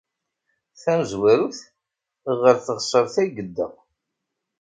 Tamezwarut, ɣer teɣsert ay yedda.